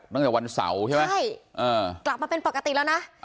ตั้งแต่วันเสาร์ใช่ไหมใช่กลับมาเป็นปกติแล้วนะ